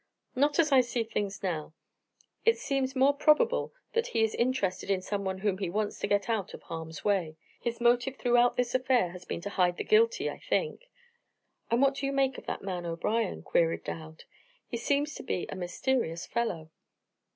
"Not as I see things now. It seems more probable that he is interested in someone whom he wants to get out of harm's way. His motive throughout this affair has been to hide the guilty, I think." "And what do you make of that man O'Brien?" queried Dowd; "he seems to be a mysterious fellow."